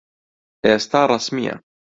ئێستا ڕەسمییە.